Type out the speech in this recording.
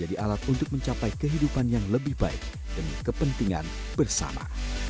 dan juga alat untuk mencapai kehidupan yang lebih baik demi kepentingan bersama